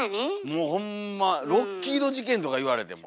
もうホンマロッキード事件とか言われても。